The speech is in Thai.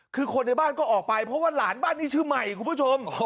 คือคนในบ้านก็ออกไปเพราะว่าหลานบ้านนี้ชื่อใหม่คุณผู้ชม